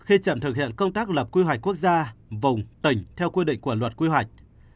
khi chậm thực hiện công tác lập quy hoạch quốc gia vùng tỉnh theo quy định của luật quy hoạch